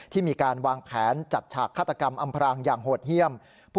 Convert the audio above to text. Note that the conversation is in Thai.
ที่มีการวางแผนจัดฉากฆาตกรรมอำพรางอย่างโหดเยี่ยม